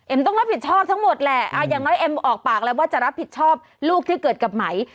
ต้องรับผิดชอบทั้งหมดแหละอย่างน้อยเอ็มออกปากแล้วว่าจะรับผิดชอบลูกที่เกิดกับไหม